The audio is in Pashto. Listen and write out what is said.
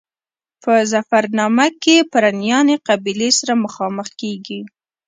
په ظفرنامه کې پرنیاني قبیلې سره مخامخ کېږو.